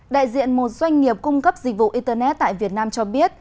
đại diện một doanh nghiệp cung cấp dịch vụ internet tại việt nam cho biết